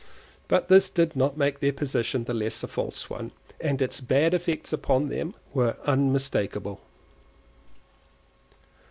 But this did not make their position the less a false one, and its bad effects upon themselves were unmistakable.